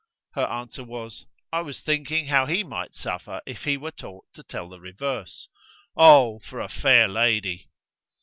Her answer was: "I was thinking how he might suffer if he were taught to tell the reverse." "Oh! for a fair lady!"